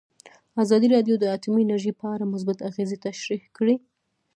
ازادي راډیو د اټومي انرژي په اړه مثبت اغېزې تشریح کړي.